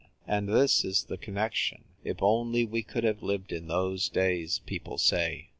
And this is the connection. "If only we could have lived in those days !" people say.